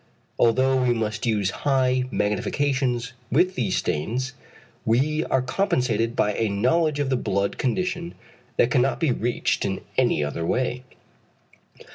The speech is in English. Although we must use high magnifications with these stains, we are compensated by a knowledge of the blood condition that cannot be reached in any other way.